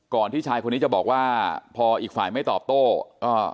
ที่ชายคนนี้จะบอกว่าพออีกฝ่ายไม่ตอบโต้อ่า